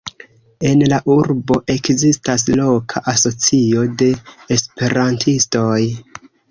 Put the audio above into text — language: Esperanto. En la urbo ekzistas loka asocio de esperantistoj.